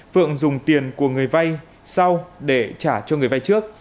phượng dùng tiền của người vay sau để trả cho người vay trước